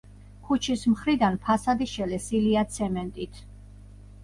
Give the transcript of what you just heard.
ქუჩის მხრიდან ფასადი შელესილია ცემენტით.